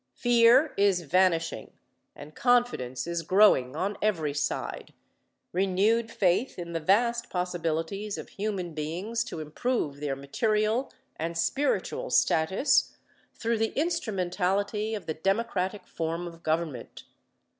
Fear is vanishing and confidence is growing on every side, renewed faith in the vast possibilities of human beings to improve their material and spiritual status through the instrumentality of the democratic form of government.